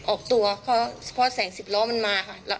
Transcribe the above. ออกตัวเพราะแสงสิบล้อมันมาค่ะ